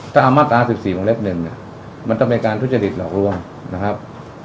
ถ้าเอามาตรา๑๔วงเล็บ๑เนี่ยมันต้องเป็นการทุจริตหลอกลวงนะครับ